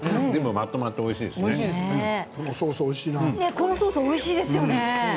このソースおいしいですよね。